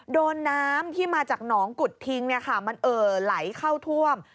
โดนน้ำที่มาจากหนองกุฎทิงมันเอ่อไหลเข้าท่วม